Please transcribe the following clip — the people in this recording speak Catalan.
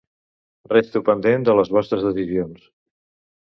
Resto pendent de les vostres decisions.